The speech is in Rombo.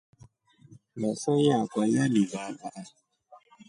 Meso yakwa yalivava.